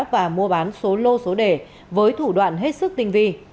và mua bán số lô số đề với thủ đoạn hết sức tinh vi